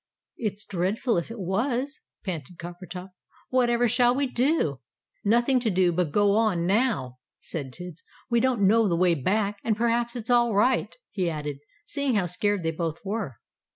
"It's dreadful if it was!" panted Coppertop. "Whatever shall we do?" "Nothing to do but go on, now," said Tibbs; "we don't know the way back and perhaps it's all right," he added, seeing how scared they both were.